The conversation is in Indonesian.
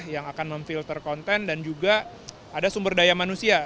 yang akan memfilter konten dan juga ada sumber daya manusia